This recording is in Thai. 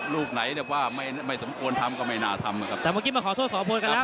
ลูกไหนเรียกว่าไม่ไม่สมควรทำก็ไม่น่าทำนะครับแต่เมื่อกี้มาขอโทษสองคนครับ